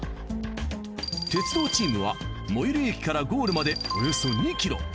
鉄道チームは最寄り駅からゴールまでおよそ２ｋｍ。